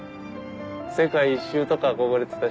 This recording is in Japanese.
世界一周とか憧れてたし。